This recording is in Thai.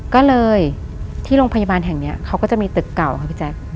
ก็เลยที่โรงพยาบาลแห่งนี้เขาก็จะมีตึกเก่าค่ะพี่แจ๊ค